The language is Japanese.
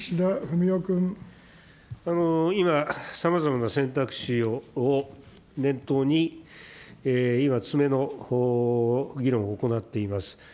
今、さまざまな選択肢を念頭に、今、詰めの議論を行っています。